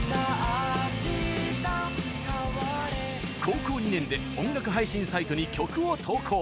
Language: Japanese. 高校２年で音楽配信サイトに曲を投稿。